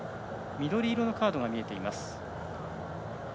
緑色のカードが見えています。